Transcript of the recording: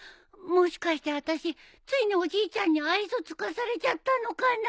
もしかしてあたしついにおじいちゃんに愛想尽かされちゃったのかな。